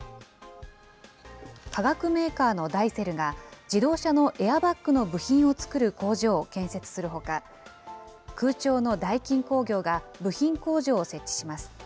化学メーカーのダイセルが、自動車のエアバッグの部品を創る工場を建設するほか、空調のダイキン工業が部品工場を設置します。